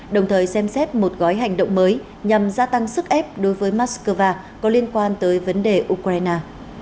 đồng thời xem xét một gói hành động mới nhằm gia tăng sức ép đối với moscow có liên quan tới vấn đề ukraine